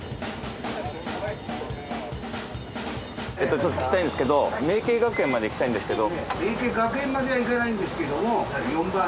ちょっと聞きたいんですけど茗溪学園まで行きたいんですけど。